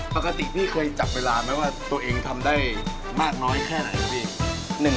ปกติพี่เคยจับเวลาไหมว่าตัวเองทำได้มากน้อยแค่ไหนครับพี่